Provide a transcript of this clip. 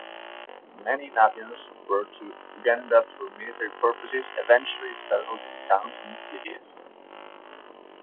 Many Nubians brought to Uganda for military purposes eventually settled in towns and cities.